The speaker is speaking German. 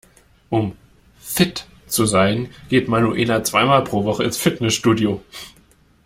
Um fit zu sein geht Manuela zwei mal pro Woche ins Fitnessstudio.